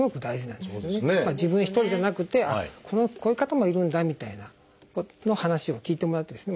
自分一人じゃなくてこういう方もいるんだみたいなの話を聞いてもらってですね